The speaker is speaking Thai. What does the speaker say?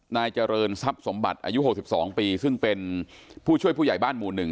นายเจริญทรัพย์สมบัติอายุ๖๒ปีซึ่งเป็นผู้ช่วยผู้ใหญ่บ้านหมู่๑